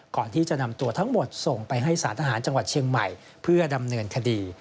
ก่อนที่จะนำตัวทั้งหมดส่งไปให้สารทหารจังหวัดเชียงใหม่เพื่อดำเนินคดี